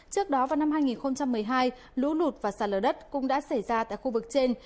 trước đó vào năm hai nghìn một mươi hai lũ lụt và sạt lở đất cũng đã xảy ra tại khu vực trên